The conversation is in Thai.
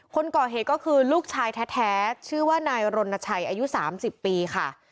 คนก่อเหตุก็คือลูกชายแท้ชื่อว่านายรณชัยอายุ๓๐ปีค่ะ